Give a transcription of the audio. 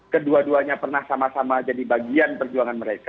kedua duanya pernah sama sama jadi bagian perjuangan mereka